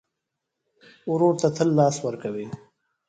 ورور ته تل لاس ورکوې.